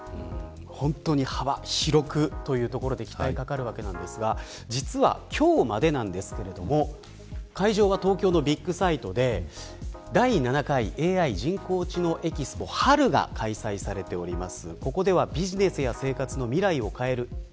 本当に幅広くというところで期待がかかるわけですが、実は今日までなんですけれども会場は東京のビッグサイトで第７回ＡＩ・人工知能ＥＸＰＯ春が開催されております。